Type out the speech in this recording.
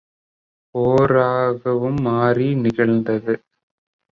போராகவும் மாறி நிகழ்ந்தது.